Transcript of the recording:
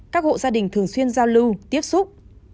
các hộ gia đình thường xuyên giao lưu tiếp xúc